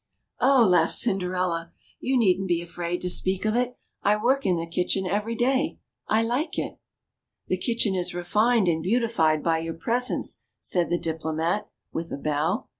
Oh !" laughed Cinderella ; you needn't be afraid to speak of it; I work in the kitchen every day; I like it." The kitchen is refined and beautified by your presence," said the Diplomat, with a bow.